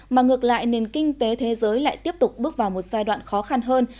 mà ngược lại nền kinh tế thế giới lại tiếp tục bước vào một giai đoạn khó khăn hơn